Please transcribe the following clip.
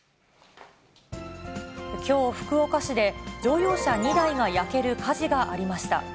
きょう、福岡市で乗用車２台が焼ける火事がありました。